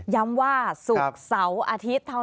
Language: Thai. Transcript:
ย้ำว่าศุกร์เสาร์อาทิตย์เท่านั้น